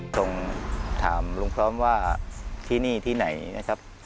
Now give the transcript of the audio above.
ส่งถามลุงพร้อมว่าที่นี่ที่ไหนนะครับ